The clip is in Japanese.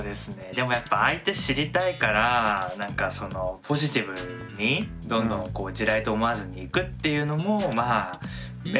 でもやっぱ相手知りたいからポジティブにどんどん地雷と思わずにいくっていうのもめちゃくちゃ分かります。